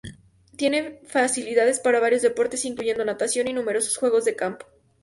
Tiene facilidades para varios deportes, incluyendo natación, y numerosos juegos de campo.